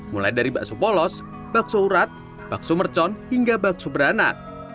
mulai dari bakso polos bakso urat bakso mercon hingga bakso beranak